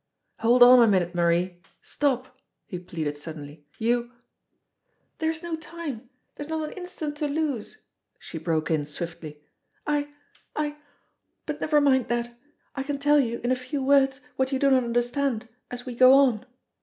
"Hold on a minute, Marie ! Stop !" he pleaded suddenly. "You " "There is no time; there is not an instant to lose," she broke in swiftly "I I but never mind that. I can tell you in a few words what you do not understand as we go on.